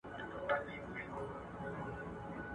حکومت د خلګو د حقوقو ساتونکی دی.